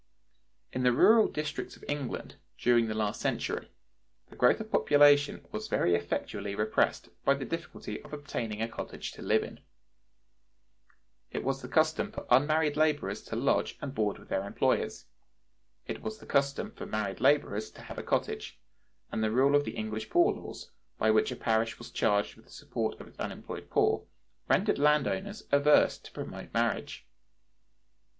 In the rural districts of England, during the last century, the growth of population was very effectually repressed by the difficulty of obtaining a cottage to live in. It was the custom for unmarried laborers to lodge and board with their employers; it was the custom for married laborers to have a cottage: and the rule of the English poor laws, by which a parish was charged with the support of its unemployed poor, rendered land owners averse to promote marriage.